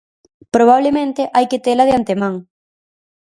Probablemente hai que tela de antemán.